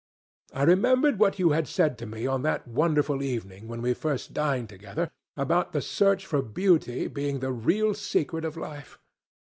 I remembered what you had said to me on that wonderful evening when we first dined together, about the search for beauty being the real secret of life.